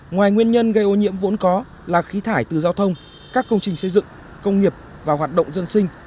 ngoài nguyên nhân gây ô nhiễm vốn có là khí thải từ giao thông các công trình xây dựng công nghiệp và hoạt động dân sinh